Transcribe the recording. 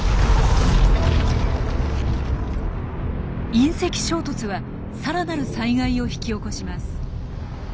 隕石衝突はさらなる災害を引き起こします。